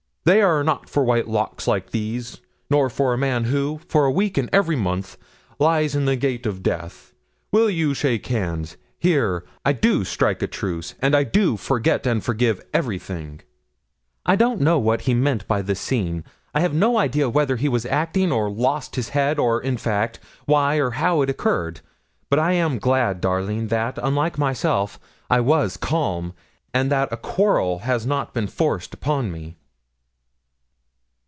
They are not for white locks like these, nor for a man who, for a week in every month, lies in the gate of death. Will you shake hands? Here I do strike a truce; and I do forget and forgive everything." 'I don't know what he meant by this scene. I have no idea whether he was acting, or lost his head, or, in fact, why or how it occurred; but I am glad, darling, that, unlike myself, I was calm, and that a quarrel has not been forced upon me.'